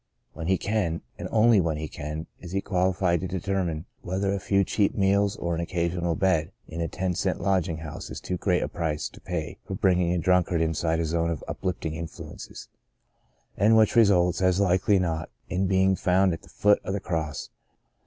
When he can, and only when he can, is he qualified to determine whether a few cheap meals or an occasional bed in a ten cent lodging house is too great a price to pay for bringing a drunkard inside a zone of uplift ing influences, and which results, as likely as not, in his being found at the foot of the Cross.